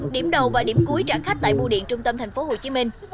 điểm đầu và điểm cuối trả khách tại bu điện trung tâm thành phố hồ chí minh